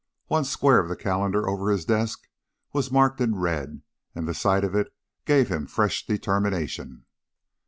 One square of the calendar over his desk was marked in red, and the sight of it gave him fresh determination.